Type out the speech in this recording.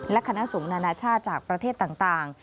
และคณะสงฆ์นานาชาติจากประเทศต่าง